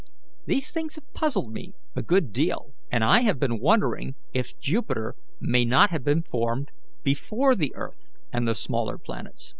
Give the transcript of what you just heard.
These things have puzzled me a good deal, and I have been wondering if Jupiter may not have been formed before the earth and the smaller planets."